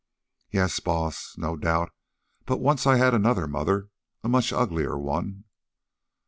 "Yes, Baas, no doubt; but once I had another mother, a much uglier one."